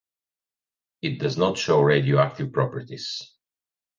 It does not show radioactive properties.